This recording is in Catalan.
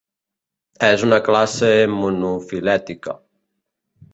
És una classe monofilètica.